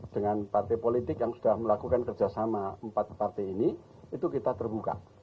dengan partai politik yang sudah melakukan kerjasama empat partai ini itu kita terbuka